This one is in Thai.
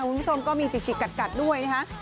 คุณผู้ชมก็มีจิกกัดด้วยนะคะ